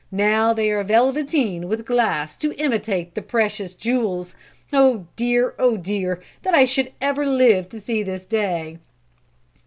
Now they are velveteen with glass to imitate the precious jewels. Oh, dear! Oh, dear! That I should ever live to see this day.'"